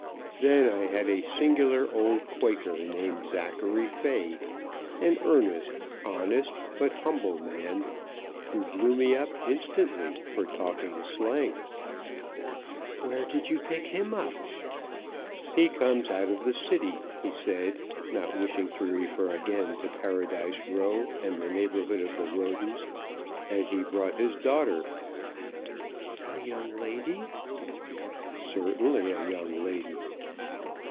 Then I had a singular old Quaker, named Zachary Fay, an earnest, honest, but humble man, who blew me up instantly for talking slang." "Where did you pick him up?" "He comes out of the City," he said, not wishing to refer again to Paradise Row and the neighbourhood of the Rodens, "and he brought his daughter." "A young lady?" "Certainly a young lady."